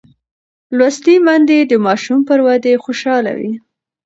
لوستې میندې د ماشوم پر ودې خوشحاله وي.